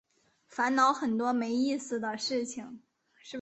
烦恼很多没意思的事情